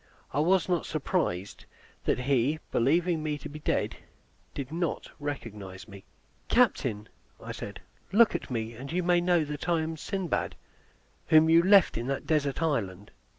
I was not surprised that he, believing me to be dead, did not recognize me. "Captain," said I, "look at me, and you may know that I am Sindbad, whom you left in that desert island."